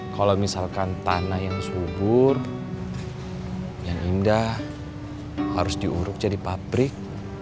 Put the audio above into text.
kalau misalkan tanah yang subur yang indah harus diuruk jadi pabrik